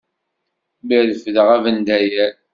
Mi refdeɣ abendayer.